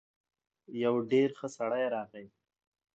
يو ډېر ښه سړی راغی.